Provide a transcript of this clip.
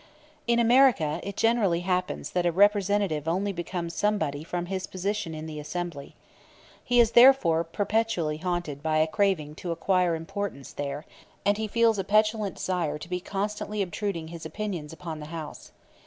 In America, it generally happens that a Representative only becomes somebody from his position in the Assembly. He is therefore perpetually haunted by a craving to acquire importance there, and he feels a petulant desire to be constantly obtruding his opinions upon the House.